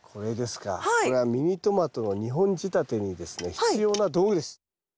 これはミニトマトの２本仕立てにですね必要な道具です。